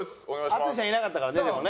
淳さんいなかったからねでもね。